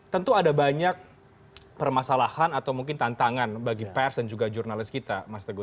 tentu ada banyak permasalahan atau mungkin tantangan bagi pers dan juga jurnalis kita mas teguh